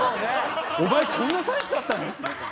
お前こんなサイズだったの？って。